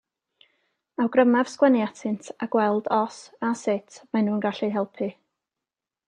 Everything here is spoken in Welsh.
Awgrymaf sgwennu atynt a gweld os a sut maen nhw'n gallu helpu.